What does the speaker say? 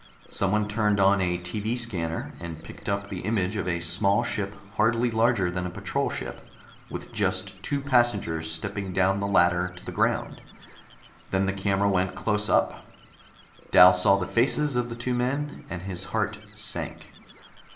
Someone turned on a TV scanner and picked up the image of a small ship hardly larger than a patrol ship, with just two passengers stepping down the ladder to the ground. Then the camera went close up. Dal saw the faces of the two men, and his heart sank.